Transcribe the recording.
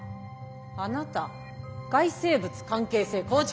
あなた外生物関係性構築